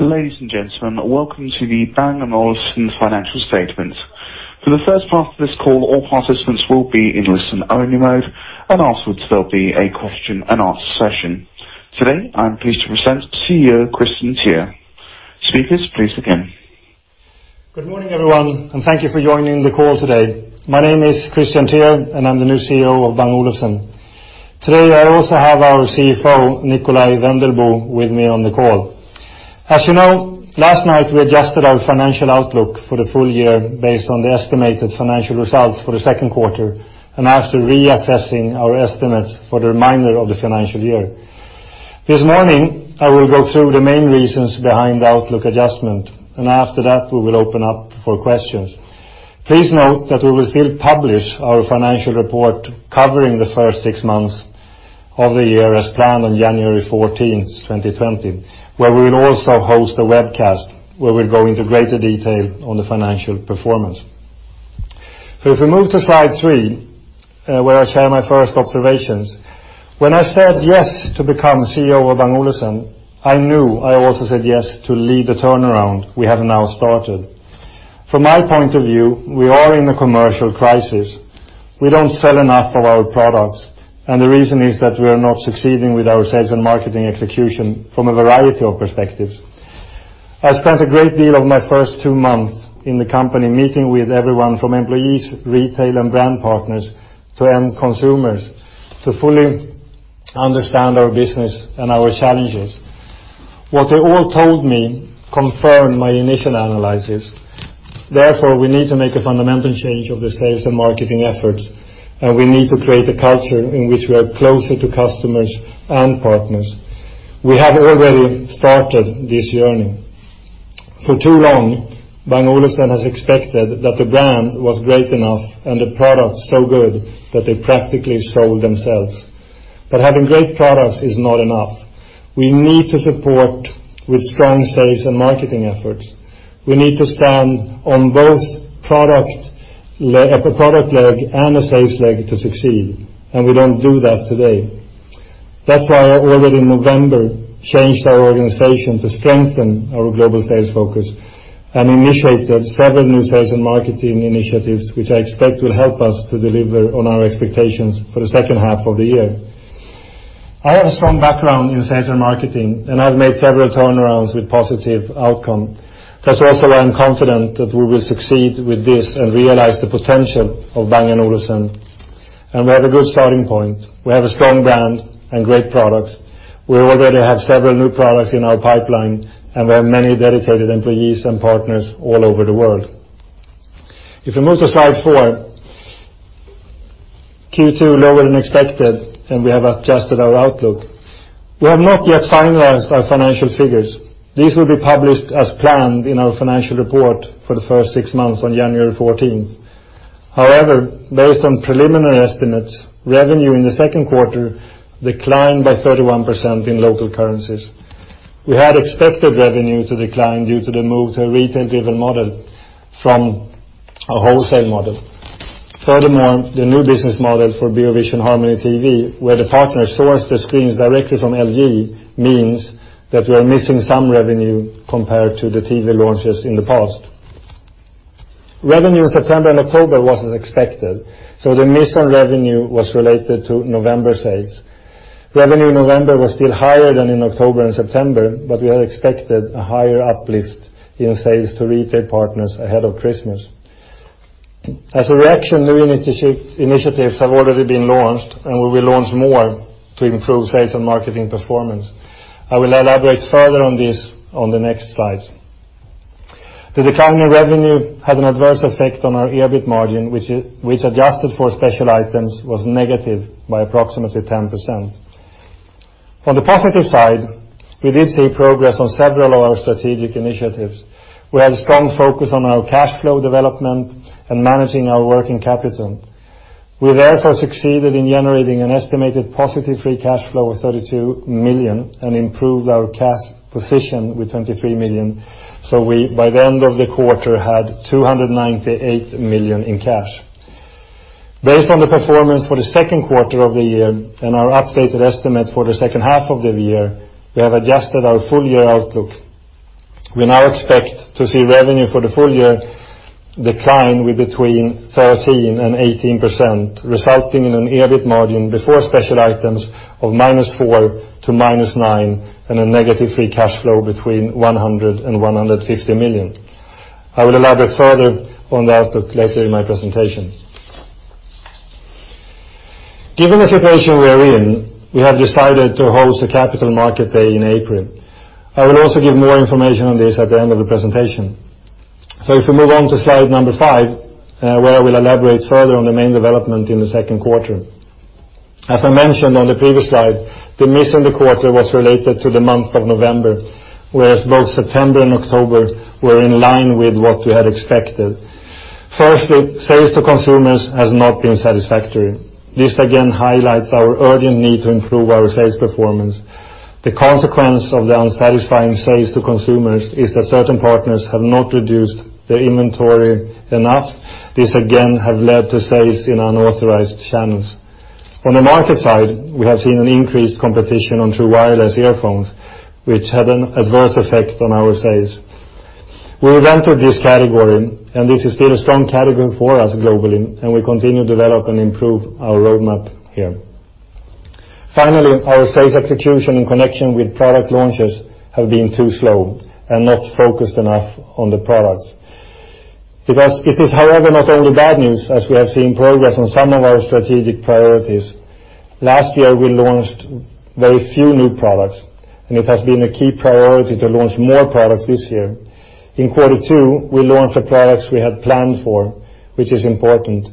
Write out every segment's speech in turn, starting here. Ladies and gentlemen, welcome to the Bang & Olufsen financial statement. For the first part of this call, all participants will be in listen-only mode, and afterwards, there'll be a question and answer session. Today, I'm pleased to present CEO Kristian Teär. Speakers, please begin. Good morning, everyone, and thank you for joining the call today. My name is Kristian Teär, and I'm the new CEO of Bang & Olufsen. Today, I also have our CFO, Nikolaj Wendelboe, with me on the call. As you know, last night, we adjusted our financial outlook for the full year based on the estimated financial results for the second quarter, and after reassessing our estimates for the remainder of the financial year. This morning, I will go through the main reasons behind the outlook adjustment, and after that, we will open up for questions. Please note that we will still publish our financial report covering the first six months of the year as planned on January 14, 2020, where we will also host a webcast, where we'll go into greater detail on the financial performance. If we move to slide three, where I share my first observations. When I said yes to become CEO of Bang & Olufsen, I knew I also said yes to lead the turnaround we have now started. From my point of view, we are in a commercial crisis. We don't sell enough of our products, and the reason is that we are not succeeding with our sales and marketing execution from a variety of perspectives. I spent a great deal of my first two months in the company, meeting with everyone, from employees, retail, and brand partners, to end consumers, to fully understand our business and our challenges. What they all told me confirmed my initial analysis. Therefore, we need to make a fundamental change of the sales and marketing efforts, and we need to create a culture in which we are closer to customers and partners. We have already started this journey. For too long, Bang & Olufsen has expected that the brand was great enough and the product so good that they practically sold themselves. But having great products is not enough. We need to support with strong sales and marketing efforts. We need to stand on both a product leg and a sales leg to succeed, and we don't do that today. That's why already in November, changed our organization to strengthen our global sales focus and initiated several new sales and marketing initiatives, which I expect will help us to deliver on our expectations for the second half of the year. I have a strong background in sales and marketing, and I've made several turnarounds with positive outcome. That's also why I'm confident that we will succeed with this and realize the potential of Bang & Olufsen, and we have a good starting point. We have a strong brand and great products. We already have several new products in our pipeline, and we have many dedicated employees and partners all over the world. If we move to slide 4, Q2, lower than expected, and we have adjusted our outlook. We have not yet finalized our financial figures. These will be published as planned in our financial report for the first six months on January 14. However, based on preliminary estimates, revenue in the second quarter declined by 31% in local currencies. We had expected revenue to decline due to the move to a retail-driven model from a wholesale model. Furthermore, the new business model for Beovision Harmony TV, where the partner sources the screens directly from LG, means that we are missing some revenue compared to the TV launches in the past. Revenue in September and October was as expected, so the missed revenue was related to November sales. Revenue in November was still higher than in October and September, but we had expected a higher uplift in sales to retail partners ahead of Christmas. As a reaction, new initiatives have already been launched, and we will launch more to improve sales and marketing performance. I will elaborate further on this on the next slide. The decline in revenue had an adverse effect on our EBIT margin, which, adjusted for special items, was negative by approximately 10%. On the positive side, we did see progress on several of our strategic initiatives. We had a strong focus on our cash flow development and managing our working capital. We therefore succeeded in generating an estimated positive free cash flow of 32 million and improved our cash position with 23 million. We, by the end of the quarter, had 298 million in cash. Based on the performance for the second quarter of the year and our updated estimate for the second half of the year, we have adjusted our full-year outlook. We now expect to see revenue for the full year decline with between 13% and 18%, resulting in an EBIT margin before special items of -4% to -9% and a negative free cash flow between 100 million and 150 million. I will elaborate further on the outlook later in my presentation. Given the situation we are in, we have decided to host a Capital Markets Day in April. I will also give more information on this at the end of the presentation. So if we move on to slide number five, where I will elaborate further on the main development in the second quarter. As I mentioned on the previous slide, the miss in the quarter was related to the month of November, whereas both September and October were in line with what we had expected. Firstly, sales to consumers has not been satisfactory. This again highlights our urgent need to improve our sales performance. The consequence of the unsatisfying sales to consumers is that certain partners have not reduced their inventory enough. This again, have led to sales in unauthorized channels. On the market side, we have seen an increased competition on true wireless earphones, which had an adverse effect on our sales. We entered this category, and this has been a strong category for us globally, and we continue to develop and improve our roadmap here. Finally, our sales execution in connection with product launches have been too slow and not focused enough on the products. Because it is, however, not only bad news, as we have seen progress on some of our strategic priorities. Last year, we launched very few new products, and it has been a key priority to launch more products this year. In quarter two, we launched the products we had planned for, which is important.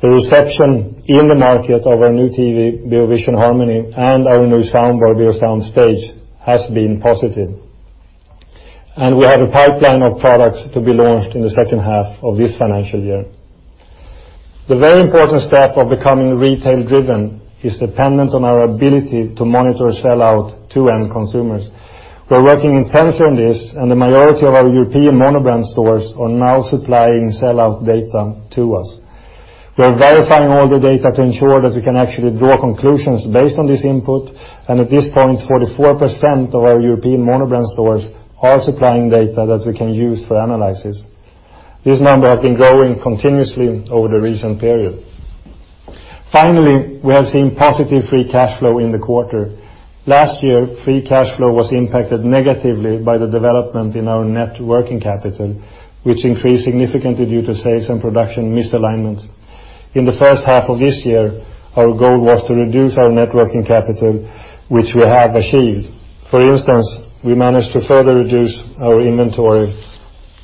The reception in the market of our new TV, Beovision Harmony, and our new soundbar, Beosound Stage, has been positive. And we have a pipeline of products to be launched in the second half of this financial year. The very important step of becoming retail-driven is dependent on our ability to monitor sell-out to end consumers. We're working intensely on this, and the majority of our European monobrand stores are now supplying sell-out data to us. We are verifying all the data to ensure that we can actually draw conclusions based on this input, and at this point, 44% of our European monobrand stores are supplying data that we can use for analysis. This number has been growing continuously over the recent period. Finally, we have seen positive free cash flow in the quarter. Last year, free cash flow was impacted negatively by the development in our net working capital, which increased significantly due to sales and production misalignments. In the first half of this year, our goal was to reduce our net working capital, which we have achieved. For instance, we managed to further reduce our inventory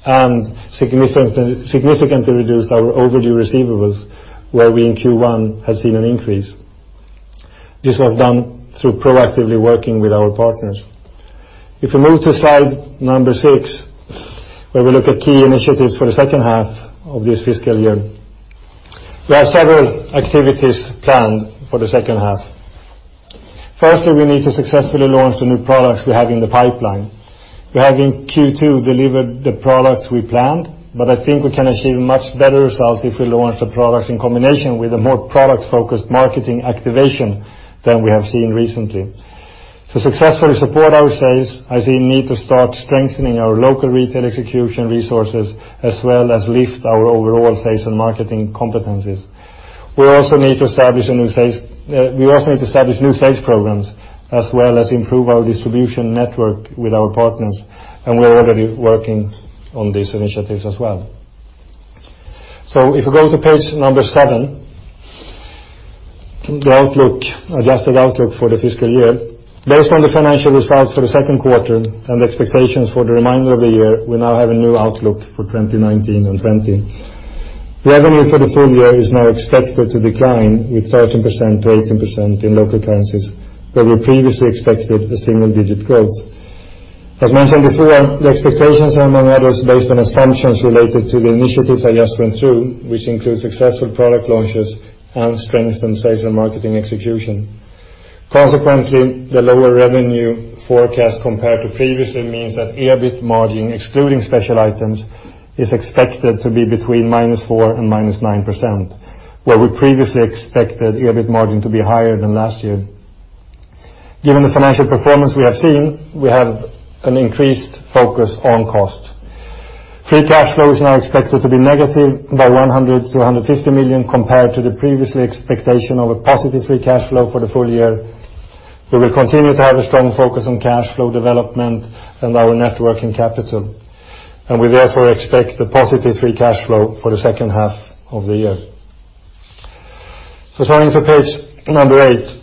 and significantly reduce our overdue receivables, where we in Q1 had seen an increase. This was done through proactively working with our partners. If we move to slide number 6, where we look at key initiatives for the second half of this fiscal year, we have several activities planned for the second half. Firstly, we need to successfully launch the new products we have in the pipeline. We have, in Q2, delivered the products we planned, but I think we can achieve much better results if we launch the products in combination with a more product-focused marketing activation than we have seen recently. To successfully support our sales, I see a need to start strengthening our local retail execution resources, as well as lift our overall sales and marketing competencies. We also need to establish new sales programs, as well as improve our distribution network with our partners, and we're already working on these initiatives as well. So if you go to page 7, the outlook, adjusted outlook for the fiscal year. Based on the financial results for the second quarter and the expectations for the remainder of the year, we now have a new outlook for 2019 and 2020. The revenue for the full year is now expected to decline with 13%-18% in local currencies, where we previously expected a single-digit growth. As mentioned before, the expectations are, among others, based on assumptions related to the initiatives I just went through, which include successful product launches and strengthened sales and marketing execution. Consequently, the lower revenue forecast compared to previously means that EBIT margin, excluding special items, is expected to be between -4% and -9%, where we previously expected EBIT margin to be higher than last year. Given the financial performance we have seen, we have an increased focus on cost. Free cash flow is now expected to be negative by 100 million-150 million compared to the previously expectation of a positive free cash flow for the full year. We will continue to have a strong focus on cash flow development and our net working capital, and we therefore expect a positive free cash flow for the second half of the year. So turning to page number 8.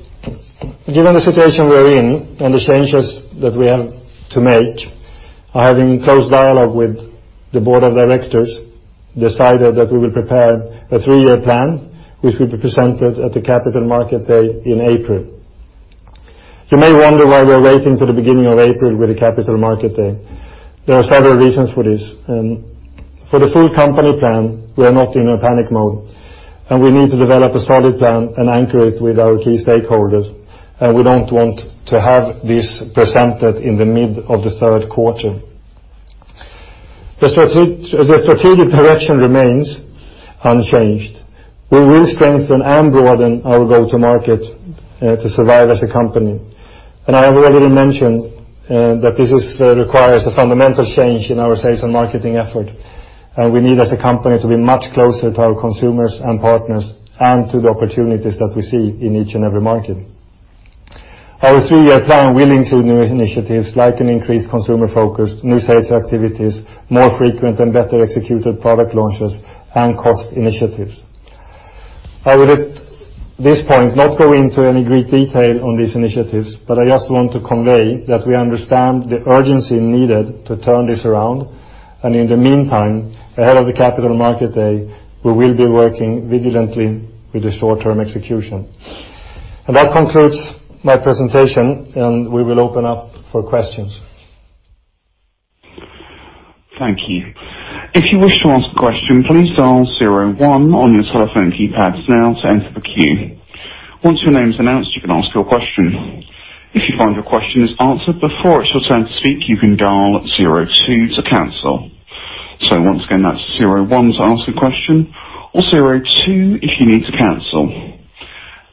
Given the situation we are in and the changes that we have to make, I, having close dialogue with the board of directors, decided that we will prepare a three-year plan, which will be presented at the Capital Markets Day in April. You may wonder why we are waiting to the beginning of April with the Capital Markets Day. There are several reasons for this, and for the full company plan, we are not in a panic mode, and we need to develop a solid plan and anchor it with our key stakeholders, and we don't want to have this presented in the mid of the third quarter. The strategic direction remains unchanged. We will strengthen and broaden our go-to-market to survive as a company. I have already mentioned that this requires a fundamental change in our sales and marketing effort, and we need, as a company, to be much closer to our consumers and partners and to the opportunities that we see in each and every market. Our three-year plan will include new initiatives, like an increased consumer focus, new sales activities, more frequent and better executed product launches, and cost initiatives. I will, at this point, not go into any great detail on these initiatives, but I just want to convey that we understand the urgency needed to turn this around, and in the meantime, ahead of the Capital Markets Day, we will be working vigilantly with the short-term execution. That concludes my presentation, and we will open up for questions. Thank you. If you wish to ask a question, please dial zero one on your telephone keypads now to enter the queue. Once your name is announced, you can ask your question. If you find your question is answered before it's your turn to speak, you can dial zero two to cancel... So once again, that's zero one to ask a question, or zero two, if you need to cancel.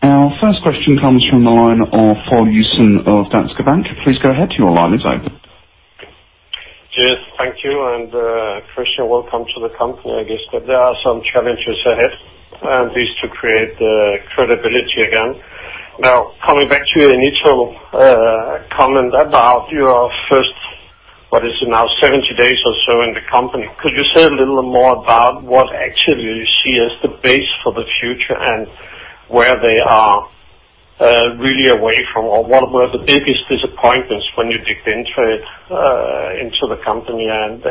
Our first question comes from the line of Poul Jessen of Danske Bank. Please go ahead, your line is open. Yes, thank you, and, Kristian Teär, welcome to the company. I guess that there are some challenges ahead, and these to create credibility again. Now, coming back to your initial comment about your first, what is it now, 70 days or so in the company, could you say a little more about what actually you see as the base for the future, and where they are really away from? Or what were the biggest disappointments when you dug into it, into the company, and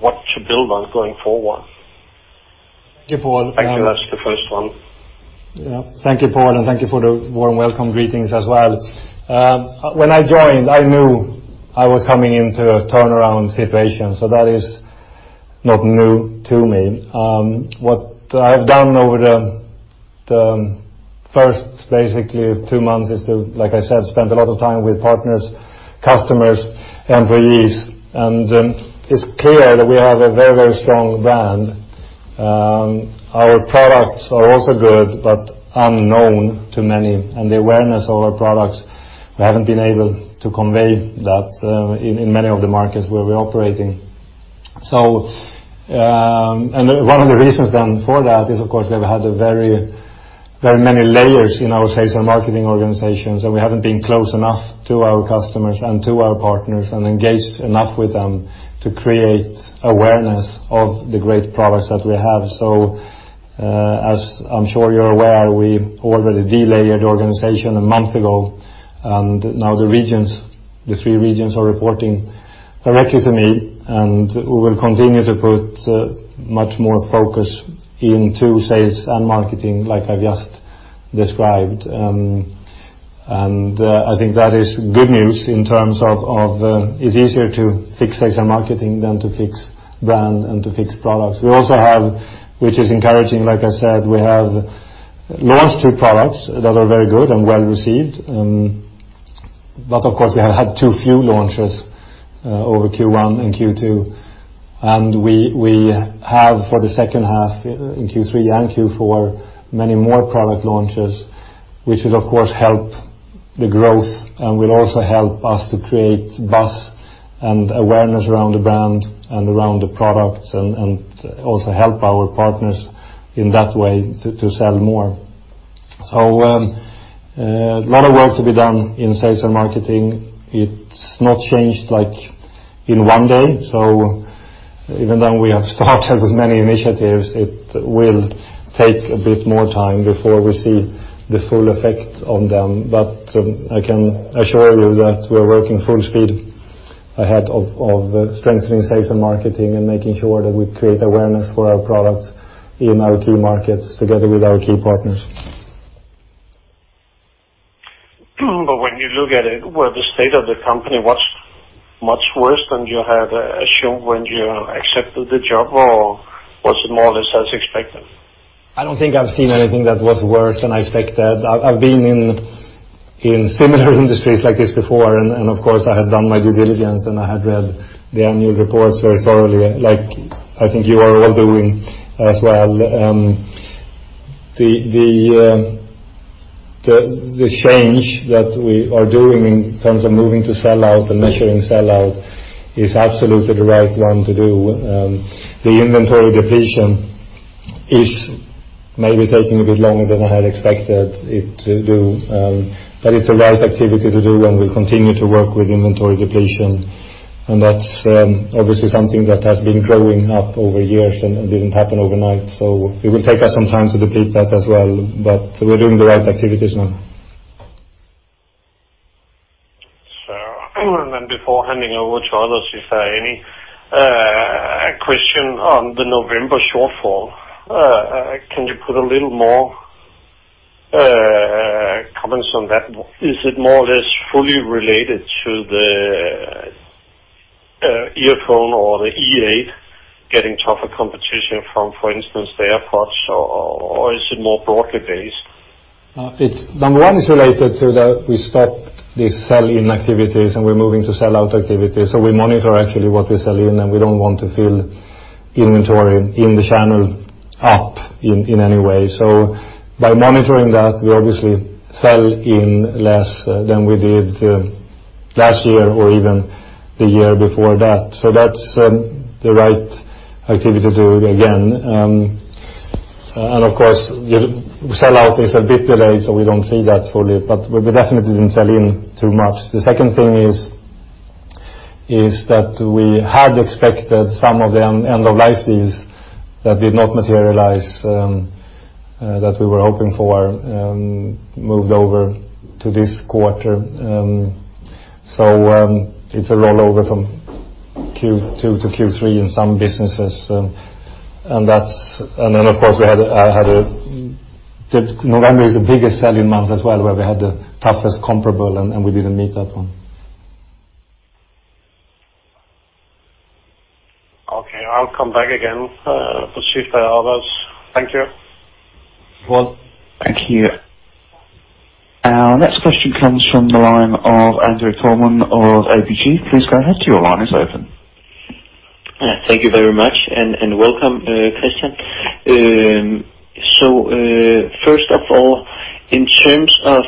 what to build on going forward? Thank you, Poul. Actually, that's the first one. Yeah. Thank you, Poul, and thank you for the warm welcome greetings as well. When I joined, I knew I was coming into a turnaround situation, so that is not new to me. What I've done over the first, basically two months is to, like I said, spend a lot of time with partners, customers, employees, and it's clear that we have a very, very strong brand. Our products are also good, but unknown to many, and the awareness of our products, we haven't been able to convey that in many of the markets where we're operating. One of the reasons then for that is, of course, we've had a very, very many layers in our sales and marketing organizations, and we haven't been close enough to our customers and to our partners, and engaged enough with them to create awareness of the great products that we have. So, as I'm sure you're aware, we already de-layered the organization a month ago, and now the regions, the three regions are reporting directly to me. We will continue to put much more focus into sales and marketing, like I just described. I think that is good news in terms of... It's easier to fix sales and marketing than to fix brand and to fix products. We also have, which is encouraging, like I said, we have launched two products that are very good and well-received. But of course, we have had too few launches over Q1 and Q2, and we have, for the second half, in Q3 and Q4, many more product launches, which will, of course, help the growth and will also help us to create buzz and awareness around the brand and around the products, and also help our partners in that way to sell more. So, a lot of work to be done in sales and marketing. It's not changed, like, in one day, so even though we have started with many initiatives, it will take a bit more time before we see the full effect on them. But, I can assure you that we're working full speed ahead of strengthening sales and marketing, and making sure that we create awareness for our products in our key markets, together with our key partners. When you look at it, was the state of the company much worse than you had assumed when you accepted the job, or was it more or less as expected? I don't think I've seen anything that was worse than I expected. I've been in similar industries like this before, and of course, I had done my due diligence, and I had read the annual reports very thoroughly, like I think you are all doing as well. The change that we are doing in terms of moving to sell out and measuring sell out is absolutely the right one to do. The inventory depletion is maybe taking a bit longer than I had expected it to do, but it's the right activity to do, and we'll continue to work with inventory depletion. And that's obviously something that has been growing up over years and it didn't happen overnight, so it will take us some time to deplete that as well, but we're doing the right activities now. And then before handing over to others, if there are any question on the November shortfall, can you put a little more comments on that? Is it more or less fully related to the earphone or the E8 getting tougher competition from, for instance, the AirPods, or is it more broadly based? Number one, it's related to the We stopped the sell-in activities, and we're moving to sell-out activities. So we monitor actually what we sell-in, and we don't want to fill inventory in the channel up in any way. So by monitoring that, we obviously sell-in less than we did last year or even the year before that. So that's the right activity to do again. And of course, the sell-out is a bit delayed, so we don't see that fully, but we definitely didn't sell-in too much. The second thing is that we had expected some of the end-of-life deals that did not materialize, that we were hoping for, moved over to this quarter. So, it's a rollover from Q2 to Q3 in some businesses, and that's. And then, of course, November is the biggest sell-in month as well, where we had the toughest comparable, and we didn't meet that one. Okay, I'll come back again, to see if there are others. Thank you. Well, thank you. ...Our next question comes from the line of Andreas Lundberg of ABG. Please go ahead, your line is open. Thank you very much, and welcome, Kristian. So, first of all, in terms of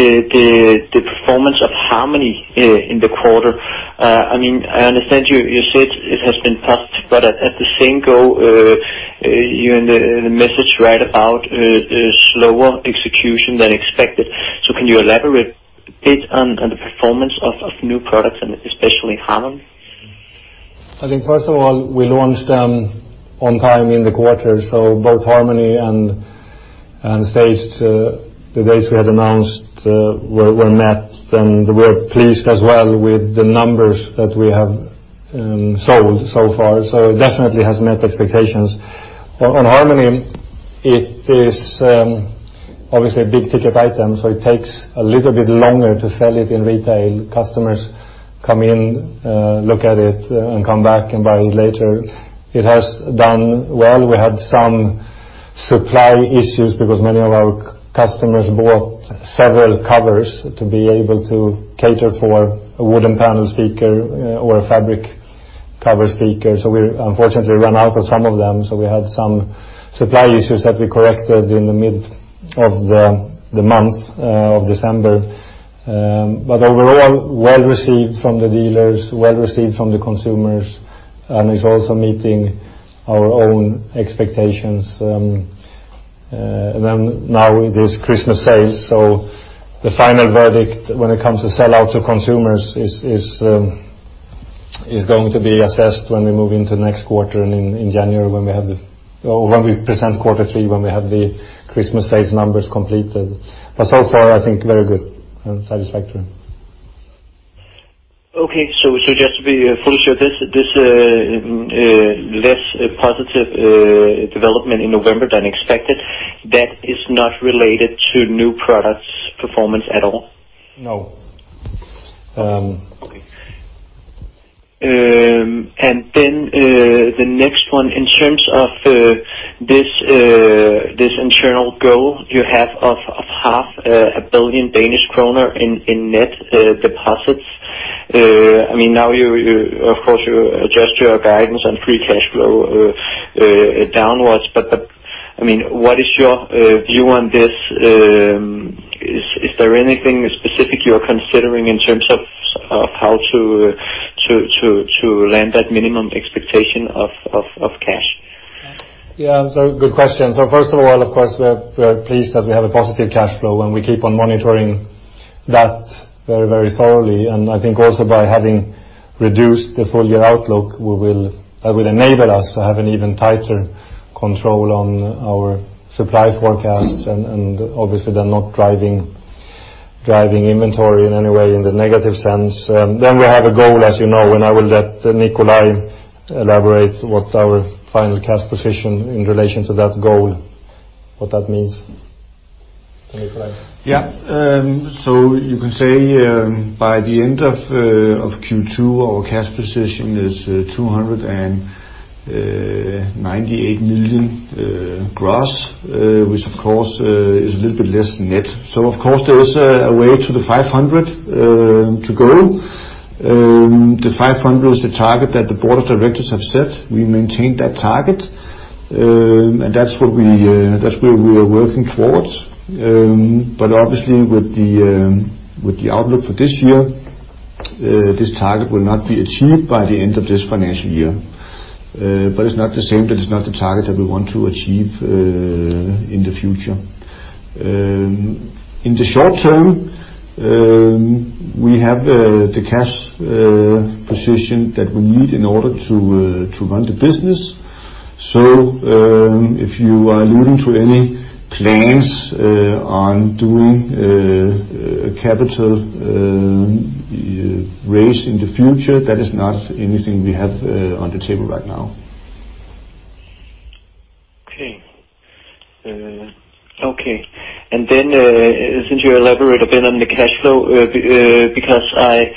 the performance of Harmony in the quarter, I mean, I understand you said it has been tough, but at the same time, you know, the messaging right about slower execution than expected. So can you elaborate a bit on the performance of new products, and especially Harmony? I think, first of all, we launched them on time in the quarter, so both Harmony and Stage, the dates we had announced were met, and we're pleased as well with the numbers that we have sold so far, so it definitely has met expectations. On Harmony, it is obviously a big-ticket item, so it takes a little bit longer to sell it in retail. Customers come in, look at it, and come back and buy it later. It has done well. We had some supply issues because many of our customers bought several covers to be able to cater for a wooden panel speaker or a fabric cover speaker. So we unfortunately ran out of some of them, so we had some supply issues that we corrected in the mid of the month of December. But overall, well-received from the dealers, well-received from the consumers, and it's also meeting our own expectations. And then now with this Christmas sale, so the final verdict when it comes to sell-out to consumers is going to be assessed when we move into the next quarter and in January, Or when we present quarter three, when we have the Christmas sales numbers completed. But so far, I think very good and satisfactory. Okay, so just to be full sure, this less positive development in November than expected, that is not related to new products' performance at all? No. Um- Okay. And then the next one, in terms of this internal goal you have of 500 million Danish kroner in net deposits. I mean, now you of course adjust your guidance and free cash flow downwards, but I mean, what is your view on this? Is there anything specific you're considering in terms of how to land that minimum expectation of cash? Yeah, so good question. So first of all, of course, we're pleased that we have a positive cash flow, and we keep on monitoring that very, very thoroughly. And I think also by having reduced the full year outlook, that will enable us to have an even tighter control on our supply forecasts and obviously they're not driving inventory in any way in the negative sense. Then we have a goal, as you know, and I will let Nikolaj elaborate what our final cash position in relation to that goal, what that means. Nikolaj? Yeah. So you can say, by the end of Q2, our cash position is 298 million gross, which of course is a little bit less net. So of course, there is a way to the 500 million to go. The 500 million is the target that the board of directors have set. We maintain that target, and that's where we are working towards. But obviously with the outlook for this year, this target will not be achieved by the end of this financial year. But it's not the same, but it's not the target that we want to achieve in the future. In the short term, we have the cash position that we need in order to run the business. So, if you are alluding to any plans on doing capital raise in the future, that is not anything we have on the table right now. Okay. Okay. And then, since you elaborate a bit on the cash flow, because I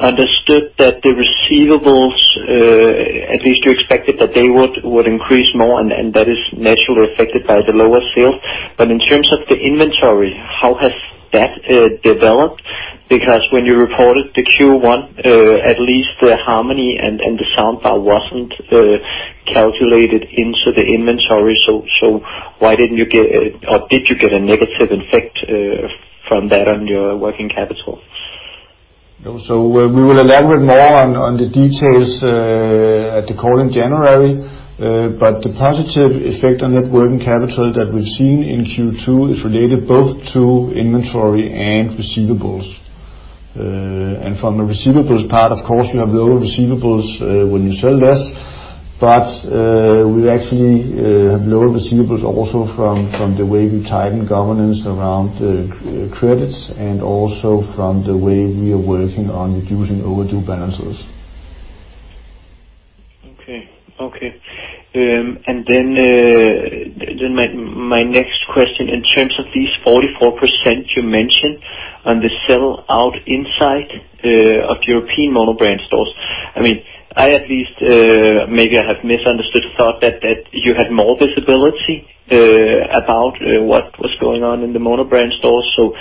understood that the receivables, at least you expected that they would increase more, and that is naturally affected by the lower sales. But in terms of the inventory, how has that developed? Because when you reported the Q1, at least the Harmony and the soundbar wasn't calculated into the inventory. So, why didn't you get, or did you get a negative effect, from that on your working capital? No. So we will elaborate more on the details at the call in January. But the positive effect on net working capital that we've seen in Q2 is related both to inventory and receivables. And from the receivables part, of course, you have lower receivables when you sell less, but we actually have lower receivables also from the way we are working on reducing overdue balances. Okay, okay. And then my next question, in terms of these 44% you mentioned on the sell-out insight of European monobrand stores. I mean, I at least, maybe I have misunderstood, thought that you had more visibility about what was going on in the monobrand stores. So,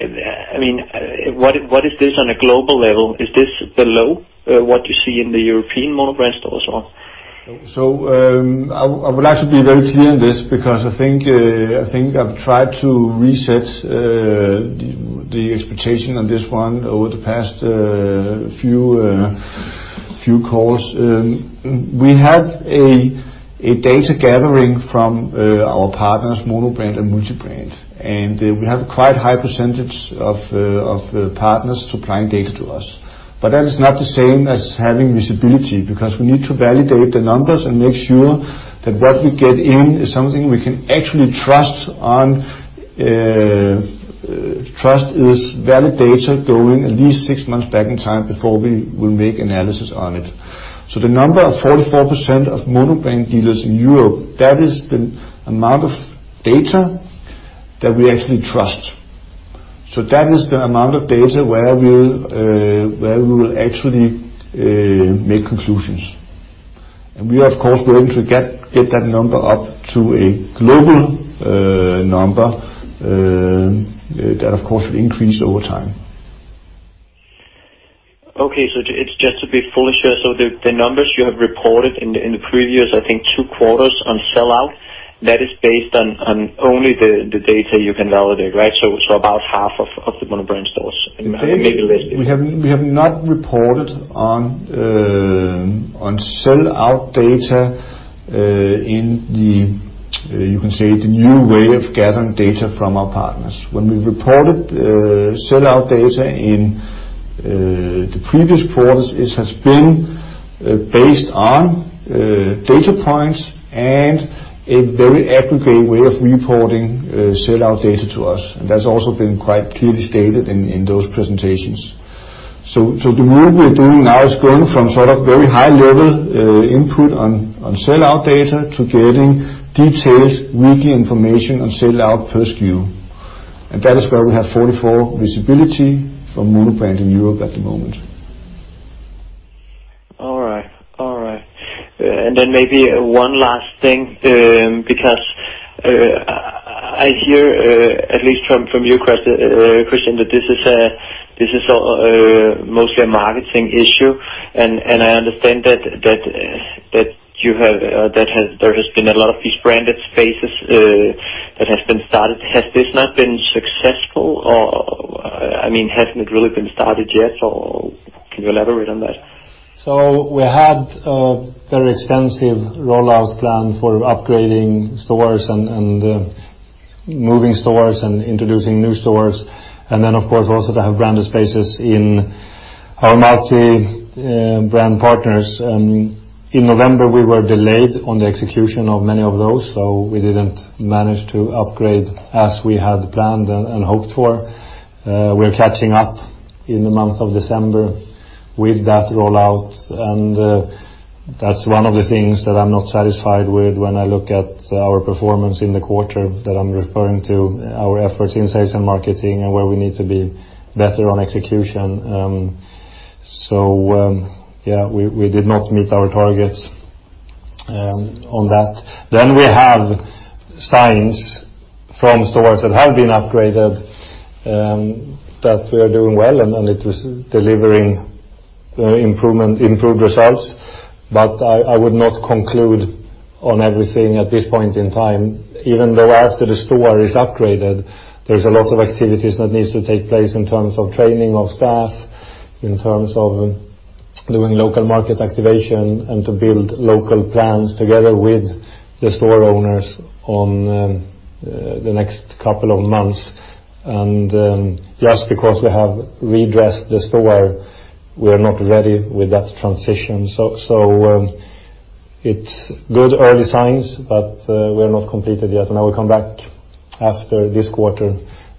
I mean, what is this on a global level? Is this below what you see in the European monobrand stores or? I would like to be very clear on this, because I think I've tried to reset the expectation on this one over the past few calls. We have a data gathering from our partners, Monobrand and Multi-brand, and we have a quite high percentage of partners supplying data to us. But that is not the same as having visibility, because we need to validate the numbers and make sure that what we get in is something we can actually trust on, trust is valid data going at least six months back in time before we will make analysis on it. The number of 44% of Monobrand dealers in Europe, that is the amount of data that we actually trust. That is the amount of data where we will actually make conclusions. We, of course, we're going to get that number up to a global number that, of course, will increase over time. Okay. So it's just to be fully sure. So the numbers you have reported in the previous, I think, two quarters on sell out, that is based on only the data you can validate, right? So about half of the monobrand stores, and maybe less. We have not reported on sell-out data in the, you can say, the new way of gathering data from our partners. When we reported sell-out data in the previous quarters, it has been based on data points and a very aggregate way of reporting sell-out data to us. And that's also been quite clearly stated in those presentations. So the move we are doing now is going from sort of very high level input on sell-out data to getting detailed weekly information on sell-out per SKU. And that is where we have 44 visibility from monobrand in Europe at the moment. All right. All right. And then maybe one last thing, because I hear, at least from, from you, Kristian, that this is, this is, mostly a marketing issue. And, and I understand that, that, that you have, there has been a lot of these branded spaces, that have been started. Has this not been successful, or, I mean, hasn't it really been started yet, or can you elaborate on that? So we had a very extensive rollout plan for upgrading stores and moving stores and introducing new stores. And then, of course, also to have branded spaces in our multi-brand partners. In November, we were delayed on the execution of many of those, so we didn't manage to upgrade as we had planned and hoped for. We're catching up in the month of December with that rollout, and that's one of the things that I'm not satisfied with when I look at our performance in the quarter, that I'm referring to our efforts in sales and marketing and where we need to be better on execution. So, yeah, we did not meet our targets on that. Then we have signs from stores that have been upgraded, that we are doing well, and it was delivering improvement, improved results. But I would not conclude on everything at this point in time, even though after the store is upgraded, there's a lot of activities that needs to take place in terms of training of staff, in terms of doing local market activation, and to build local plans together with the store owners on the next couple of months. And just because we have redressed the store, we are not ready with that transition. So it's good early signs, but we are not completed yet. And I will come back after this quarter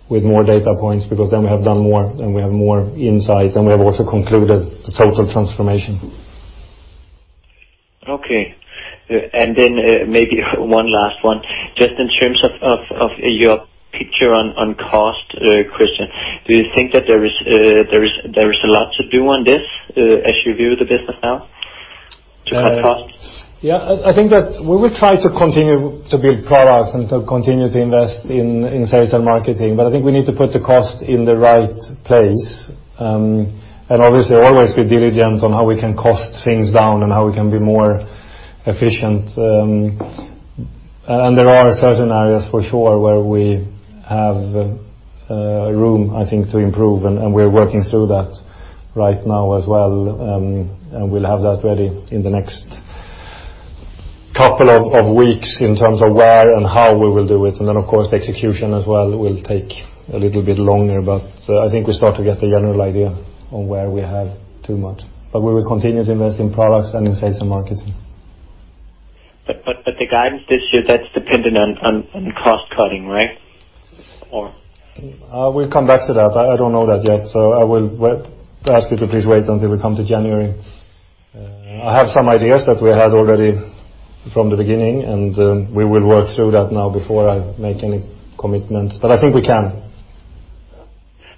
with more data points, because then we have done more, and we have more insight, and we have also concluded the total transformation. Okay. And then, maybe one last one. Just in terms of your picture on cost, Kristian, do you think that there is a lot to do on this, as you view the business now to cut costs? Yeah, I think that we will try to continue to build products and to continue to invest in sales and marketing, but I think we need to put the cost in the right place. And obviously, always be diligent on how we can cost things down and how we can be more efficient. And there are certain areas, for sure, where we have room, I think, to improve, and we're working through that right now as well. And we'll have that ready in the next couple of weeks in terms of where and how we will do it. And then, of course, the execution as well will take a little bit longer, but I think we start to get a general idea on where we have too much. But we will continue to invest in products and in sales and marketing. But the guidance this year, that's dependent on cost cutting, right? Or... We'll come back to that. I don't know that yet, so I will ask you to please wait until we come to January. I have some ideas that we had already from the beginning, and we will work through that now before I make any commitments, but I think we can.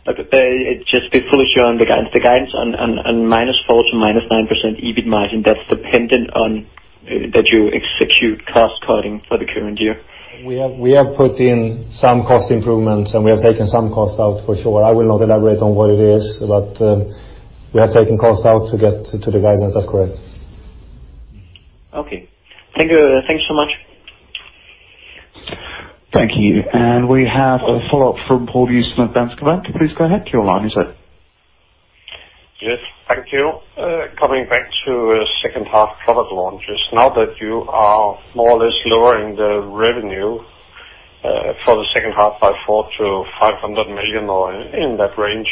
Okay, just be fully sure on the guidance. The guidance on -4% to -9% EBIT margin, that's dependent on that you execute cost cutting for the current year? We have put in some cost improvements, and we have taken some costs out for sure. I will not elaborate on what it is, but we have taken costs out to get to the guidance. That's correct. Okay. Thank you. Thanks so much. Thank you. We have a follow-up from Poul Jessen at Danske Bank. Please go ahead. You're on mute. Yes, thank you. Coming back to second half product launches, now that you are more or less lowering the revenue, for the second half by 400 million-500 million or in that range,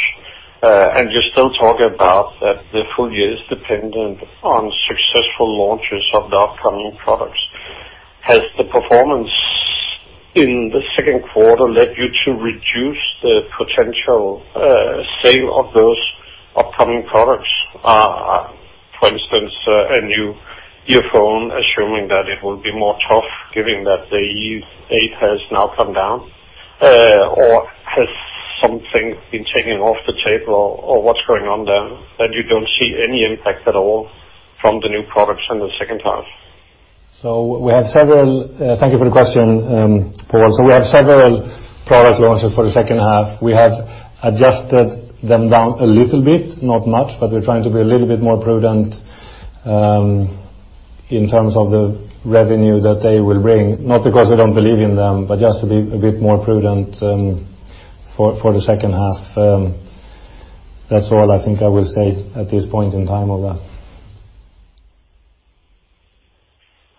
and you still talk about that the full year is dependent on successful launches of the upcoming products. Has the performance in the second quarter led you to reduce the potential, sale of those upcoming products? For instance, a new earphone, assuming that it will be more tough, given that the Beoplay E8 has now come down, or has something been taken off the table, or what's going on there, that you don't see any impact at all from the new products in the second half? Thank you for the question, Poul. So we have several product launches for the second half. We have adjusted them down a little bit, not much, but we're trying to be a little bit more prudent in terms of the revenue that they will bring, not because we don't believe in them, but just to be a bit more prudent for the second half. That's all I think I will say at this point in time on that.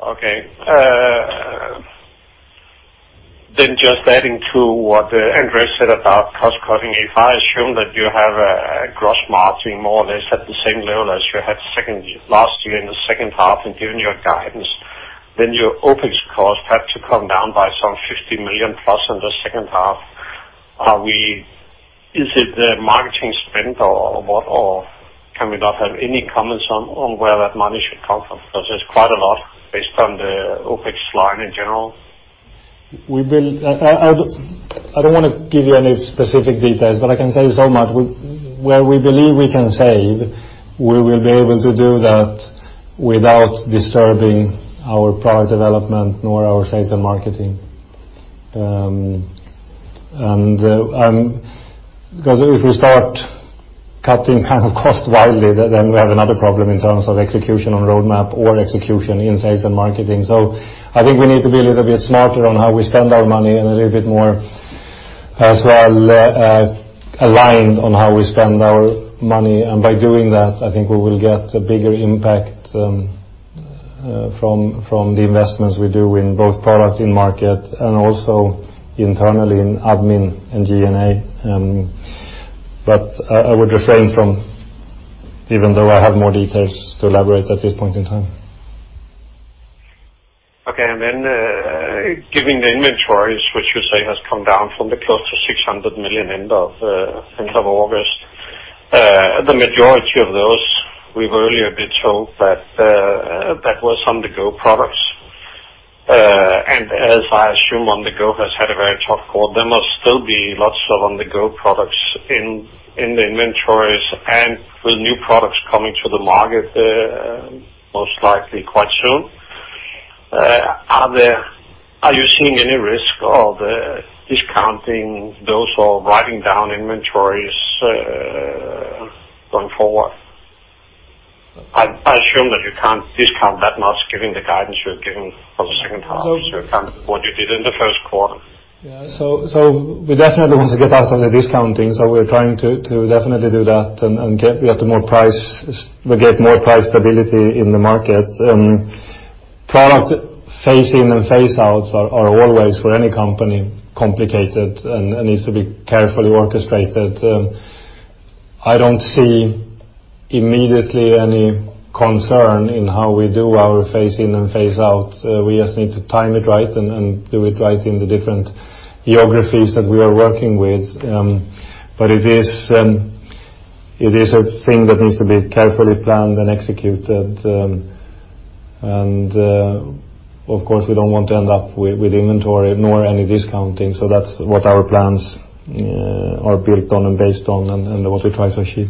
Okay. Then just adding to what Andreas said about cost cutting. If I assume that you have a gross margin, more or less at the same level as you had second half last year in the second half and given your guidance, then your OpEx cost had to come down by some 50 million plus in the second half. Is it the marketing spend, or what, or can we not have any comments on where that money should come from? Because there's quite a lot based on the OpEx line in general. We will. I don't want to give you any specific details, but I can say so much, where we believe we can save, we will be able to do that without disturbing our product development, nor our sales and marketing. Because if we start cutting kind of cost widely, then we have another problem in terms of execution on roadmap or execution in sales and marketing. So I think we need to be a little bit smarter on how we spend our money, and a little bit more as well, aligned on how we spend our money. And by doing that, I think we will get a bigger impact from the investments we do in both product in market and also internally in admin and G&A. But I would refrain from, even though I have more details to elaborate at this point in time. Okay, and then, given the inventories, which you say has come down from close to 600 million end of end of August, the majority of those, we've earlier been told that that was On-the-go products. And as I assume on-the-go has had a very tough call. There must still be lots of on-the-go products in the inventories and with new products coming to the market, most likely quite soon. Are you seeing any risk of discounting those or writing down inventories going forward? I assume that you can't discount that much, given the guidance you've given for the second half, given what you did in the first quarter. Yeah. So we definitely want to get out of the discounting, so we're trying to definitely do that and get more price stability in the market. Product phase in and phase outs are always, for any company, complicated and needs to be carefully orchestrated. I don't see immediately any concern in how we do our phase in and phase out. We just need to time it right and do it right in the different geographies that we are working with. But it is a thing that needs to be carefully planned and executed, and of course, we don't want to end up with inventory nor any discounting. So that's what our plans are built on and based on, and what we try to achieve.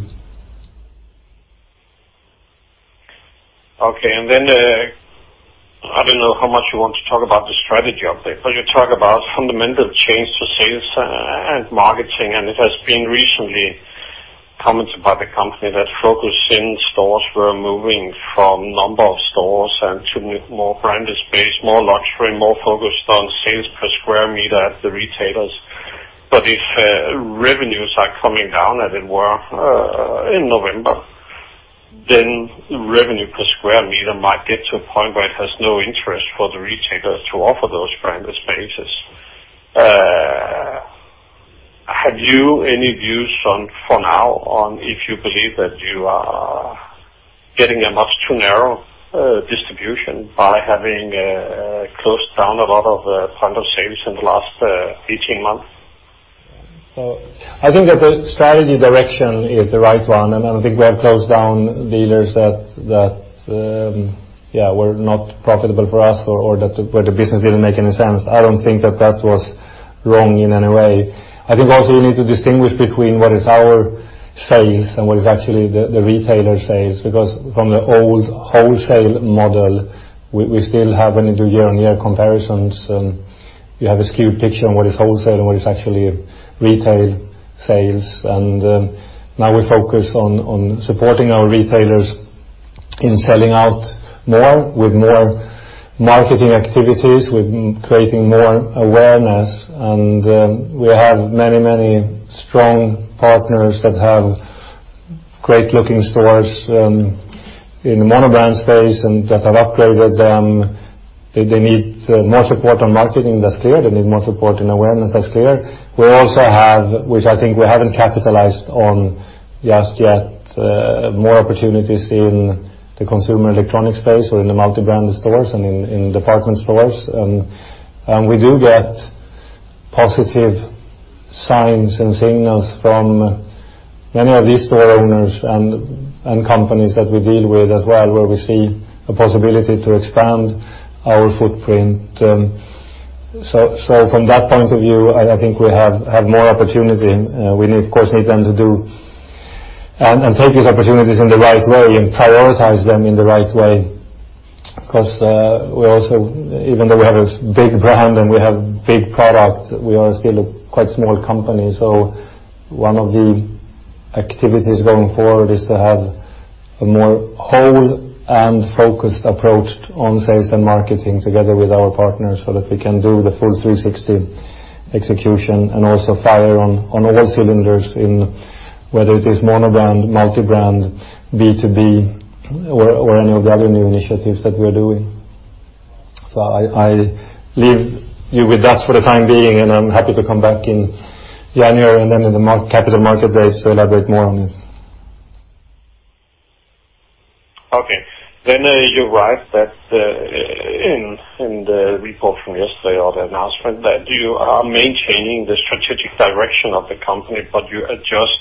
Okay, and then, I don't know how much you want to talk about the strategy out there, but you talk about fundamental change to sales and marketing, and it has been recently commented by the company that focus in stores were moving from number of stores and to more branded space, more luxury, more focused on sales per square meter at the retailers. But if revenues are coming down, as it were, in November, then revenue per square meter might get to a point where it has no interest for the retailers to offer those branded spaces. Have you any views on, for now, on if you believe that you are getting a much too narrow distribution by having closed down a lot of branded sales in the last 18 months? ... So I think that the strategy direction is the right one, and I think we have closed down dealers that yeah were not profitable for us or that where the business didn't make any sense. I don't think that that was wrong in any way. I think also you need to distinguish between what is our sales and what is actually the retailer sales, because from the old wholesale model we still have when you do year-on-year comparisons, and you have a skewed picture on what is wholesale and what is actually retail sales. And we focus on supporting our retailers in selling out more, with more marketing activities, with creating more awareness. And we have many, many strong partners that have great-looking stores in the monobrand space and that have upgraded them. They need more support on marketing, that's clear. They need more support in awareness, that's clear. We also have, which I think we haven't capitalized on just yet, more opportunities in the consumer electronic space or in the multi-brand stores and in department stores. And we do get positive signs and signals from many of these store owners and companies that we deal with as well, where we see a possibility to expand our footprint. So from that point of view, I think we have more opportunity. We, of course, need them to do and take these opportunities in the right way and prioritize them in the right way. Because we also, even though we have a big brand and we have big products, we are still a quite small company. So one of the activities going forward is to have a more whole and focused approach on sales and marketing together with our partners, so that we can do the full 360 execution and also fire on all cylinders in whether it is monobrand, multi-brand, B2B, or any of the other new initiatives that we're doing. So I leave you with that for the time being, and I'm happy to come back in January and then in the Capital Markets Day to elaborate more on it. Okay. Then, you write that, in the report from yesterday or the announcement, that you are maintaining the strategic direction of the company, but you adjust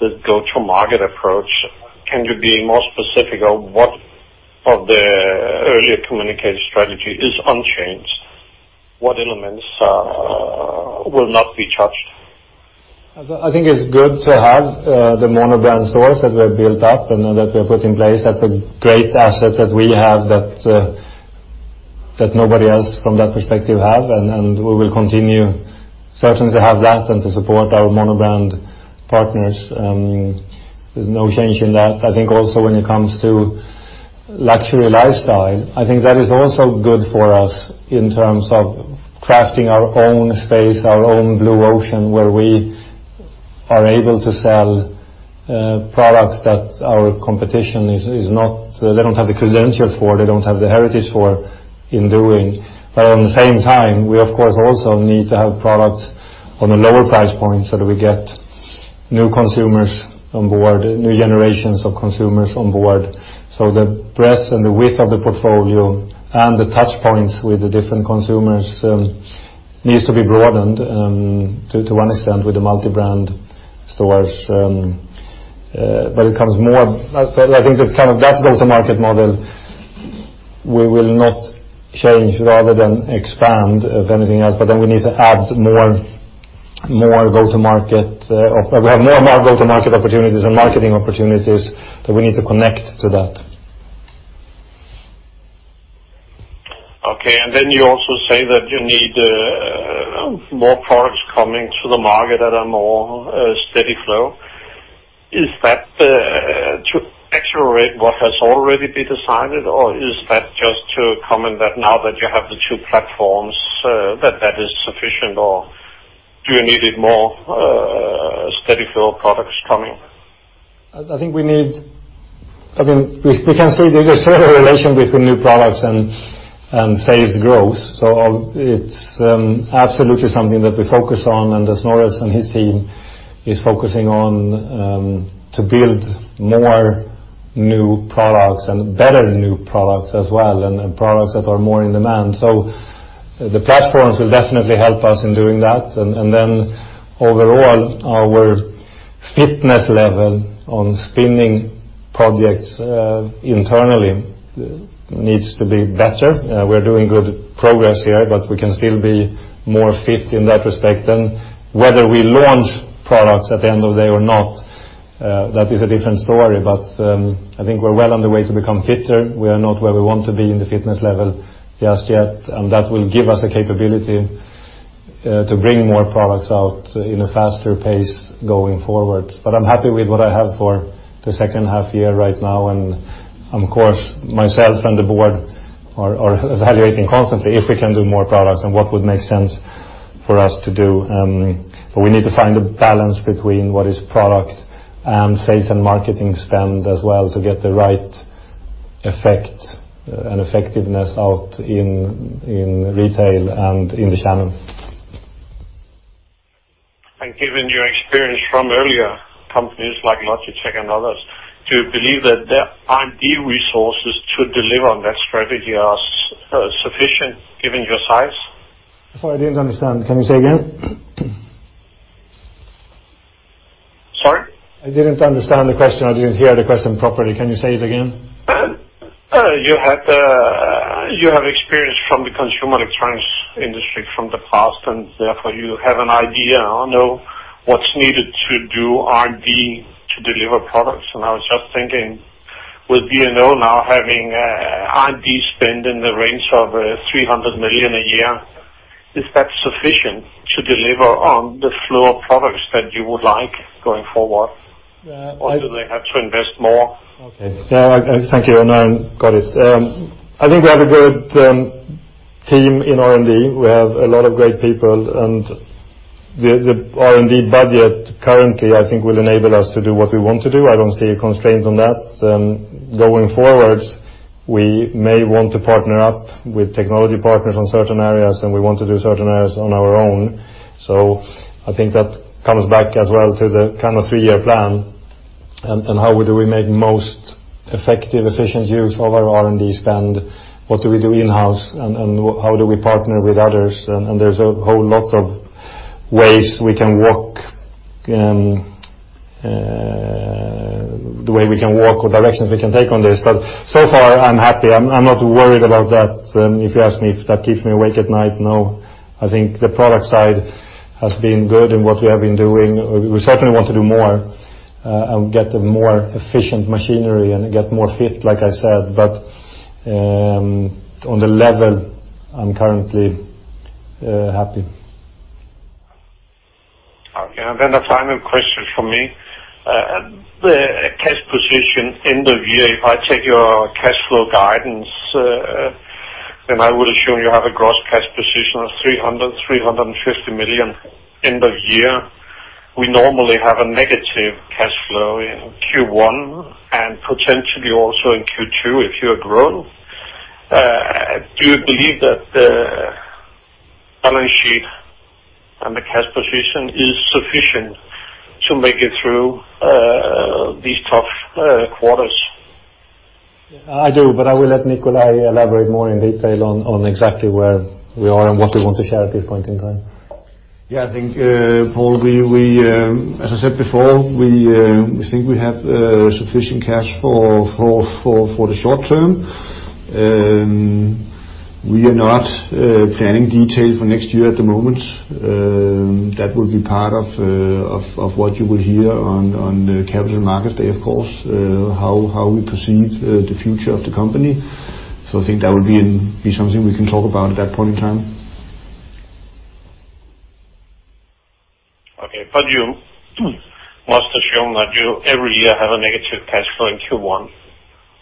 the go-to-market approach. Can you be more specific on what of the earlier communication strategy is unchanged? What elements will not be touched? I think it's good to have the monobrand stores that we have built up and that we have put in place. That's a great asset that we have that that nobody else from that perspective have, and, and we will continue certainly to have that and to support our monobrand partners. There's no change in that. I think also, when it comes to luxury lifestyle, I think that is also good for us in terms of crafting our own space, our own blue ocean, where we are able to sell products that our competition is is not... They don't have the credentials for, they don't have the heritage for in doing. But at the same time, we, of course, also need to have products on a lower price point, so that we get new consumers on board, new generations of consumers on board. So the breadth and the width of the portfolio and the touch points with the different consumers needs to be broadened, to one extent with the multi-brand stores, but it comes more, I think that kind of that go-to-market model, we will not change rather than expand, if anything else, but then we need to add more, more go-to-market, or we have more and more go-to-market opportunities and marketing opportunities, that we need to connect to that. Okay, and then you also say that you need more products coming to the market at a more steady flow. Is that to accelerate what has already been decided, or is that just to comment that now that you have the two platforms that that is sufficient, or do you need it more steady flow products coming? I think we need... I mean, we can see there's a strong relation between new products and sales growth, so it's absolutely something that we focus on, and as Snorre and his team is focusing on to build more new products and better new products as well, and products that are more in demand. So the platforms will definitely help us in doing that. And then overall, our fitness level on spinning projects internally needs to be better. We're doing good progress here, but we can still be more fit in that respect. And whether we launch products at the end of the day or not, that is a different story, but I think we're well on the way to become fitter. We are not where we want to be in the fitness level just yet, and that will give us a capability to bring more products out in a faster pace going forward. But I'm happy with what I have for the second half year right now. And of course, myself and the board are evaluating constantly if we can do more products and what would make sense for us to do. But we need to find a balance between what is product and sales and marketing spend as well to get the right effect and effectiveness out in retail and in the channel. Thank you, from earlier companies like Logitech and others, do you believe that their R&D resources to deliver on that strategy are sufficient given your size? Sorry, I didn't understand. Can you say again? Sorry? I didn't understand the question. I didn't hear the question properly. Can you say it again? You had, you have experience from the consumer electronics industry from the past, and therefore, you have an idea or know what's needed to do R&D to deliver products. And I was just thinking, with B&O now having R&D spend in the range of 300 million a year, is that sufficient to deliver on the flow of products that you would like going forward? Uh, I- Or do they have to invest more? Okay. Yeah, thank you. Now, got it. I think we have a good team in R&D. We have a lot of great people, and the R&D budget currently, I think, will enable us to do what we want to do. I don't see a constraint on that. Going forward, we may want to partner up with technology partners on certain areas, and we want to do certain areas on our own. So I think that comes back as well to the kind of three-year plan, and how would we make most effective, efficient use of our R&D spend? What do we do in-house, and how do we partner with others? And there's a whole lot of ways we can walk, the way we can walk or directions we can take on this. But so far, I'm happy. I'm not worried about that. If you ask me if that keeps me awake at night, no. I think the product side has been good in what we have been doing. We certainly want to do more, and get a more efficient machinery and get more fit, like I said, but, on the level, I'm currently happy. Okay, and then the final question from me. The cash position end of year, if I take your cash flow guidance, then I would assume you have a gross cash position of 300 million-350 million end of year. We normally have a negative cash flow in Q1 and potentially also in Q2, if you are growing. Do you believe that the balance sheet and the cash position is sufficient to make it through, these tough quarters? I do, but I will let Nikolaj elaborate more in detail on exactly where we are and what we want to share at this point in time. Yeah, I think, Poul, as I said before, we think we have sufficient cash for the short term. We are not planning detail for next year at the moment. That will be part of what you will hear on the Capital Markets Day, of course, how we perceive the future of the company. So I think that would be something we can talk about at that point in time. Okay. But you must assume that you, every year, have a negative cash flow in Q1,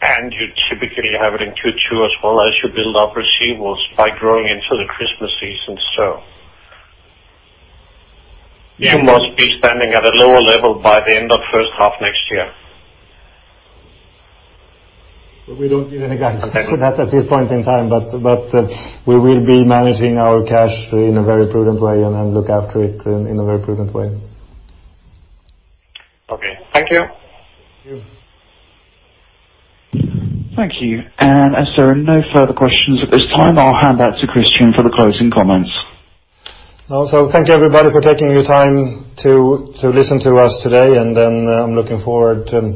and you typically have it in Q2 as well as you build up receivables by growing into the Christmas season, so- Yeah. You must be standing at a lower level by the end of first half next year. But we don't give any guidance- Okay... for that at this point in time, but we will be managing our cash in a very prudent way and look after it in a very prudent way. Okay. Thank you. Thank you. Thank you. As there are no further questions at this time, I'll hand back to Kristian Teär for the closing comments. Also, thank you, everybody, for taking your time to listen to us today. And then, I'm looking forward to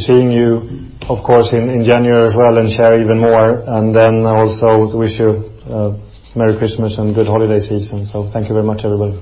seeing you, of course, in January as well, and share even more. And then I also wish you a merry Christmas and good holiday season. So thank you very much, everybody.